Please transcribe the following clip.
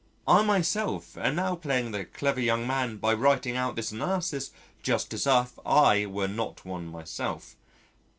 I myself am now playing the clever young man by writing out this analysis just as if I were not one myself.